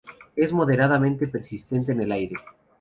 Es moderadamente persistente en el aire.